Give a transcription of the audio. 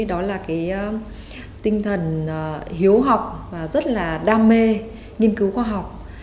đó là tinh thần hiếu học và rất là đam mê nghiên cứu khoa học